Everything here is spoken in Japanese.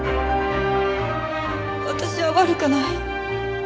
私は悪くない。